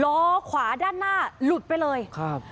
ล้อขวาด้านหน้าหลุดไปเลยครับ